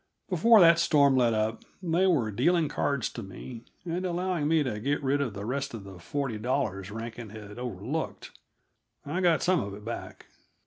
Before that storm let up they were dealing cards to me, and allowing me to get rid of the rest of the forty dollars Rankin had overlooked. I got some of it back.